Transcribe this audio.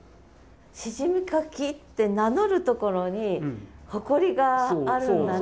シジミ掻きって名乗るところに誇りがあるんだね。